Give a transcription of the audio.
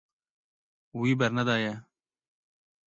Wî bernedaye.